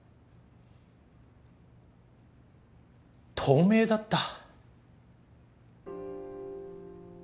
透明だった。